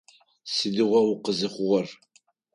Сыдигъуа укъызыхъугъэр?